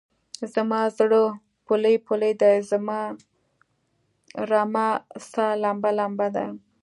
زما زړه پولۍ پولۍدی؛ رما سا لمبه لمبه ده